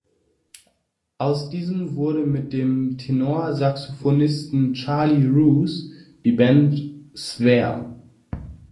Aus diesem wurde mit dem Tenorsaxophonisten Charlie Rouse die Band "Sphere".